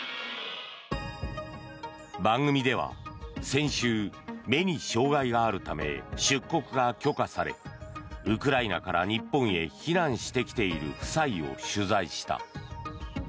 番組では先週目に障害があるため出国が許可されウクライナから日本へ避難してきている夫妻を取材した。